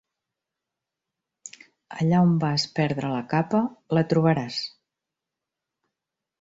Allà on vas perdre la capa, la trobaràs.